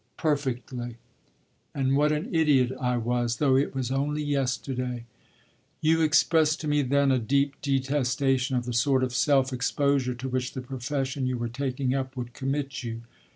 "Perfectly, and what an idiot I was, though it was only yesterday!" "You expressed to me then a deep detestation of the sort of self exposure to which the profession you were taking up would commit you.